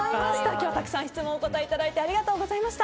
今日はたくさん質問にお答えいただいてありがとうございました。